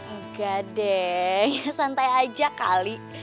enggak deh santai aja kali